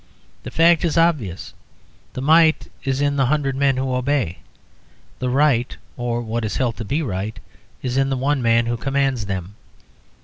The fact is obvious. The might is in the hundred men who obey. The right (or what is held to be right) is in the one man who commands them.